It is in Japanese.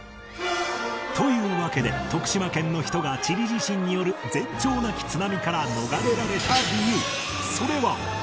というわけで徳島県の人がチリ地震による前兆なき津波から逃れられた理由それは